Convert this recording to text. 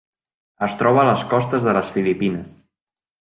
Es troba a les costes de les Filipines.